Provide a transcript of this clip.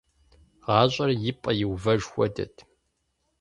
ГъащӀэр и пӀэ иувэж хуэдэт…